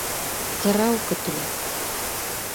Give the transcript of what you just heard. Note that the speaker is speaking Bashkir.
Ҡырау көтөлә